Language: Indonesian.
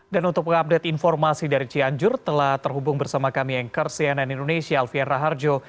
dan untuk mengupdate informasi dari cianjur telah terhubung bersama kami yang kersian dan indonesia alvian raharjo